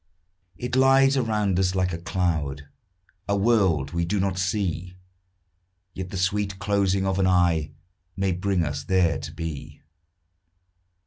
It lies around us like a cloud, A world we do not see; Yet the sweet closing of an eye May bring us there to be.